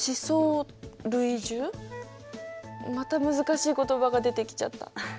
また難しい言葉が出てきちゃった。